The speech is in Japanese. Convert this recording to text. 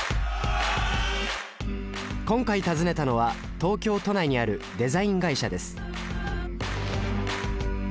今回訪ねたのは東京都内にあるデザイン会社です